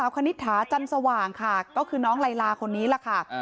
คณิตถาจันสว่างค่ะก็คือน้องไลลาคนนี้แหละค่ะ